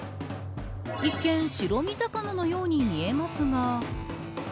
一見、白身魚のように見えますが。